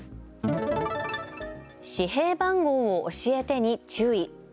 紙幣番号を教えてに注意。